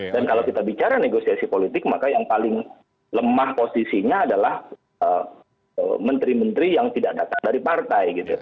dan kalau kita bicara negosiasi politik maka yang paling lemah posisinya adalah menteri menteri yang tidak datang dari partai